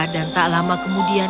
dan tak lama kemudian